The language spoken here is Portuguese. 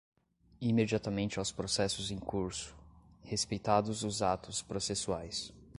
imediatamente aos processos em curso, respeitados os atos processuais